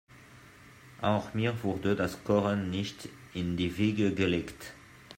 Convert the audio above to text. Auch mir wurde das Kochen nicht in die Wiege gelegt.